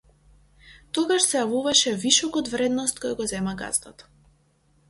Тогаш се јавува вишокот вредност кој го зема газдата.